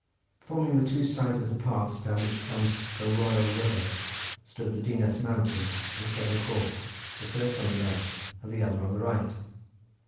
Forming the two sides of the pass down which comes "the royal river" stood the Dinas mountain and Cefn Coch, the first on the left, and the other on the right.